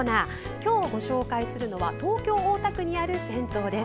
今日ご紹介するのは東京・大田区にある銭湯です。